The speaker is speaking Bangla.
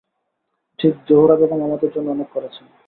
ঠিক -জোহরা বেগম আমাদের জন্য অনেক করেছেন।